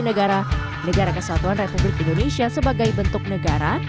negara negara kesatuan republik indonesia sebagai bentuk negara